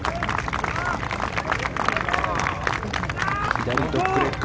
左ドッグレッグ。